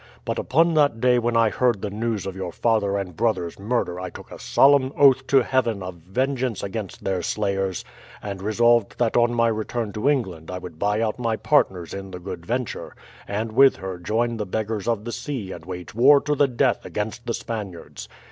But upon that day when I heard the news of your father and brothers' murder I took a solemn oath to heaven of vengeance against their slayers, and resolved that on my return to England I would buy out my partners in the Good Venture, and with her join the beggars of the sea and wage war to the death against the Spaniards.